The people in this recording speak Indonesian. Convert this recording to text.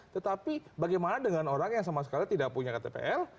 tetapi bagaimana dengan orang yang sama sekali tidak punya ktpl